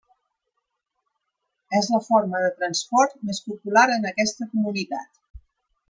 És la forma de transport més popular en aquesta comunitat.